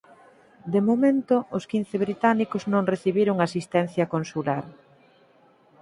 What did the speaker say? De momento os quince británicos non recibiron asistencia consular.